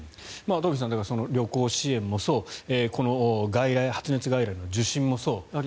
トンフィさん旅行支援もそうこの発熱外来の受診もそう。